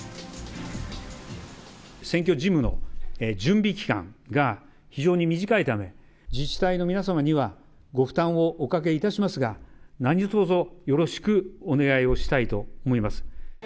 選挙事務の準備期間が非常に短いため、自治体の皆様にはご負担をおかけいたしますが、何とぞよろしくお願いをしたいと思います。